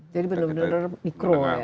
jadi bener bener mikro ya